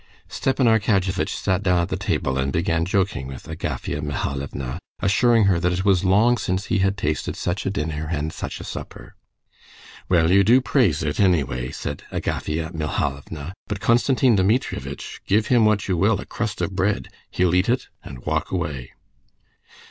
Stepan Arkadyevitch sat down at the table and began joking with Agafea Mihalovna, assuring her that it was long since he had tasted such a dinner and such a supper. "Well, you do praise it, anyway," said Agafea Mihalovna, "but Konstantin Dmitrievitch, give him what you will—a crust of bread—he'll eat it and walk away."